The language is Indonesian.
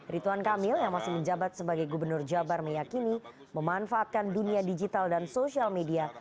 rituan kamil yang masih menjabat sebagai gubernur jabar meyakini memanfaatkan dunia digital dan sosial media